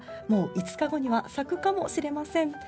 もう５日後には咲くかもしれません。